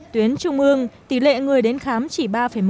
tuyến trung ương tỷ lệ người đến khám chỉ ba một